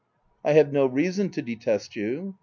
" I have no reason to detest you."